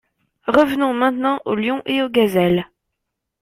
Revenons maintenant aux lions et aux gazelles.